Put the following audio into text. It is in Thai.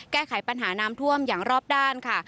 แก้ไขปัญหาน้ำท่วมอย่างรอบด้านค่ะ